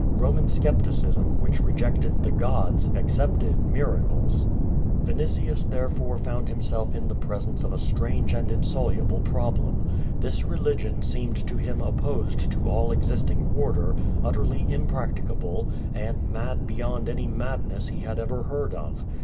Roman scepticism, which rejected the gods, accepted miracles. Vinitius, therefore, found himself in the presence of a strange and insoluble problem. This religion seemed to him opposed to all existing order, utterly impracticable, and mad beyond any madness he had, ever heard of.